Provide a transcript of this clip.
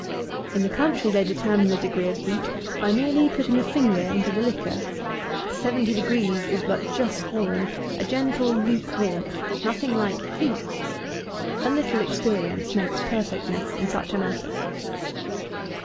In the country they determine the degree of heat by merely putting a finger into the liquor. Seventy degrees is but just warm, a gentle luke warmth. Nothing like heat. A little experience makes perfectness in such a matter.